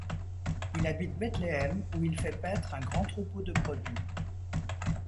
Il habite Bethléem, où il fait paître un grand troupeau de brebis.